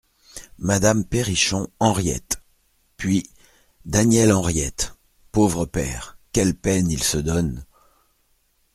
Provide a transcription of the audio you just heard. Madame Perrichon, Henriette ; puis Daniel HENRIETTE Pauvre père ! quelle peine il se donne !